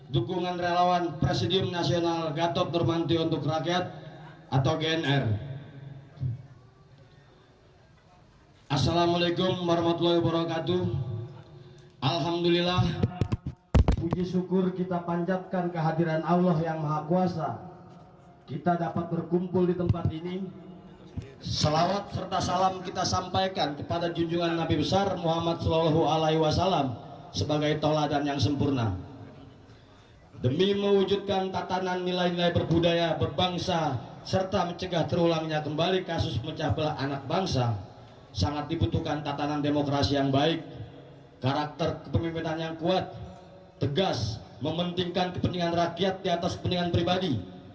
tegang tatanan nilai nilai berbudaya berbangsa serta mencegah terulangnya kembali kasus pemecah belak anak bangsa sangat dibutuhkan tatanan demokrasi yang baik karakter kepemimpinan yang kuat tegas mementingkan kepentingan rakyat di atas kepentingan pribadi